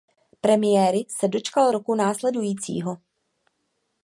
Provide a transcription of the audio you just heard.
Premiéry se dočkal roku následujícího.